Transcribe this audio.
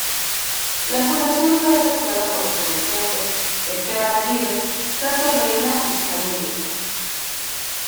La fundación fue efectuada por los comerciantes Esteban Aguirre, Santos Reina y su familia.